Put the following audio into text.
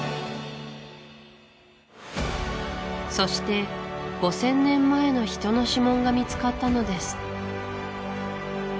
そして５０００年前の人の指紋が見つかったのです